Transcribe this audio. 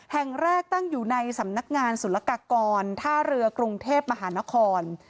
แห่งแรกตั้งอยู่ในสำนักงานศุลกากรท่าเรือกรุงเทพมหานคร